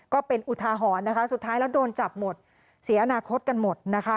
ก็เป็นอุทหาหอนสุดท้ายแล้วโดนจับหมดเสียอนาคตกันหมด